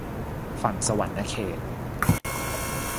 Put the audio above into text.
ฝั่งสะหวันนะเขต